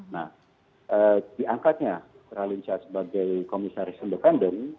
nah diangkatnya ralin shah sebagai komisaris independen